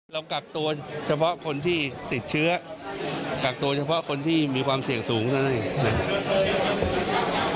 เรากักตัวเฉพาะคนที่ติดเชื้อกักตัวเฉพาะคนที่มีความเสี่ยงสูงเท่านั้นเองนะครับ